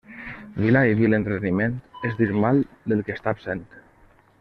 Vilà i vil entreteniment, és dir mal del que està absent.